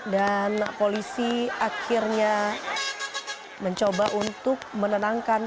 dan polisi akhirnya mencoba untuk menenangkan